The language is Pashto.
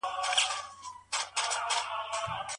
ولې ملي سوداګر کرنیز ماشین الات له ازبکستان څخه واردوي؟